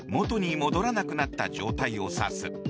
戻らなくなった状態を指す。